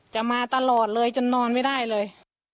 จะมาตลอดเลยจนนอนไม่ได้เลย